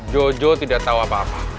jojo tidak tahu apa apa